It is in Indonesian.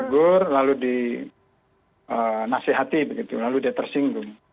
ditegur lalu dinasehati begitu lalu dia tersinggung